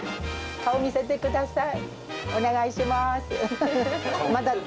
顔見せてください。